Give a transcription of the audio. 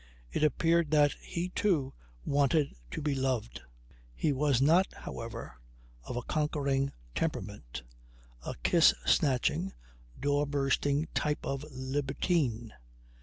It appeared that he, too, wanted to be loved. He was not, however, of a conquering temperament a kiss snatching, door bursting type of libertine.